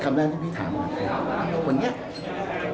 คำแรกที่พี่ถามนึงคือ